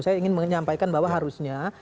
saya ingin menyampaikan bahwa harusnya